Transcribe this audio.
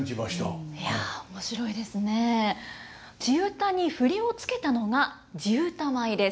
地唄に振りを付けたのが地唄舞です。